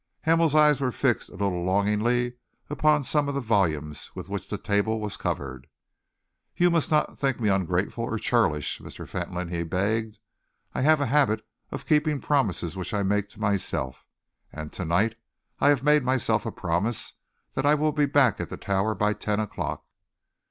Hamel's eyes were fixed a little longingly upon some of the volumes with which the table was covered. "You must not think me ungrateful or churlish, Mr. Fentolin," he begged. "I have a habit of keeping promises which I make to myself, and to night I have made myself a promise that I will be back at the Tower by ten o'clock."